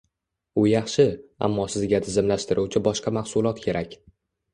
U yaxshi, ammo sizga tizimlashtiruvchi boshqa mahsulot kerak.